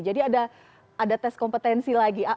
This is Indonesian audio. jadi ada tes kompetensi lagi